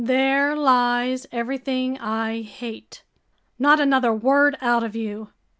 There lies everything I hate! Not another word out of you!"